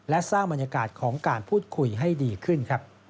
และสร้างบรรยากาศของการพูดคุยให้ดีขึ้น